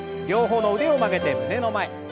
両方の腕を曲げて胸の前。